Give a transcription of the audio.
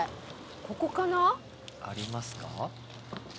ここかな？ありますか？